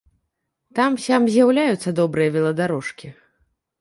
Там-сям з'яўляюцца добрыя веладарожкі.